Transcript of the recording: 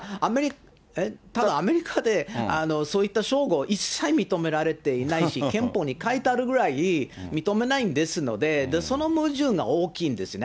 ただ、アメリカでそういった称号、一切認められていないし、憲法に書いてあるぐらい認めないんですので、その矛盾が大きいんですね。